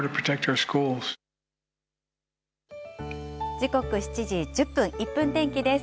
時刻、７時１０分、１分天気です。